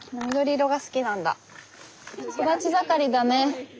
育ち盛りだね。